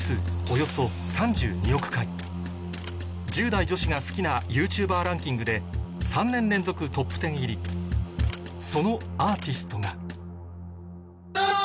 １０代女子が好きなＹｏｕＴｕｂｅｒランキングで３年連続トップ１０入りそのアーティストがどうも！